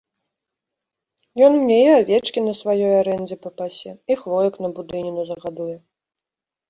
Ён мне і авечкі на сваёй арэндзе папасе, і хвоек на будыніну загадуе.